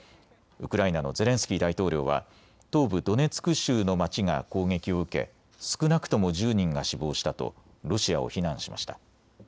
ウクライナのゼレンスキー大統領は東部ドネツク州の町が攻撃を受け少なくとも１０人が死亡したとロシアを非難しました。